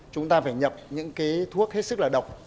chúng ta phải nhập những cái thuốc hết sức là độc